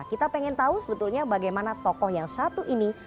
kita pengen tahu sebetulnya bagaimana tokoh yang satu ini